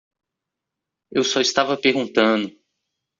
Eu só estava perguntando.